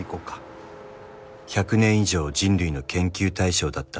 ［１００年以上人類の研究対象だった惑星ソラリス］